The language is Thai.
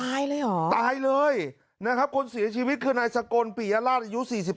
เลยเหรอตายเลยนะครับคนเสียชีวิตคือนายสกลปิยราชอายุ๔๘